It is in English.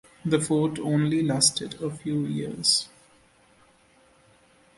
The fort only lasted a few years.